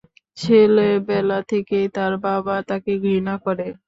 ছেলেবেলা থেকেই তার বাবা তাকে ঘৃণা করে।